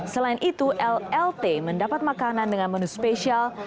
selain itu llt mendapat makanan dengan menu spesial